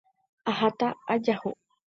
Aháta ajahu.